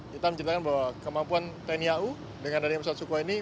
kita menceritakan bahwa kemampuan tni au dengan adanya pesawat sukhoi ini